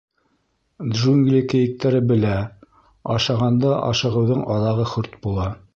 Джунгли кейектәре белә: ашағанда ашығыуҙың аҙағы хөрт була.